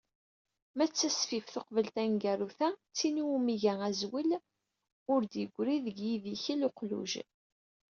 Ma d tasefift uqbel taneggarut-a, tin iwumi iga azwel-a "Ur d-yeggri deg yidikel uqluj."